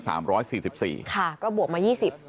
ค่ะก็บวกมา๒๐